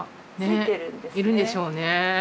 いるんでしょうね。